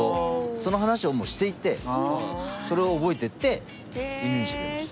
その話をしていてそれを覚えていて犬にしてくれました。